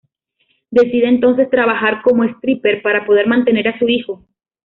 Decide entonces trabajar como stripper para poder mantener a su hijo.